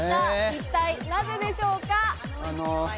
一体なぜでしょうか？